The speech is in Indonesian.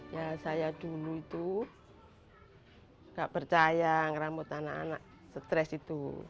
ya saya dulu itu nggak percaya ngeramut anak anak stres itu